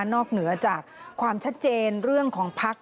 เหนือจากความชัดเจนเรื่องของภักดิ์